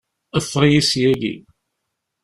Ffeɣ-iyi syagi!